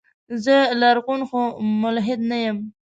زه لرغون خو ملحد نه يم.